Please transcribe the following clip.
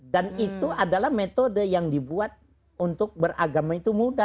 dan itu adalah metode yang dibuat untuk beragama itu mudah